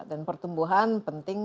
dan pertumbuhan penting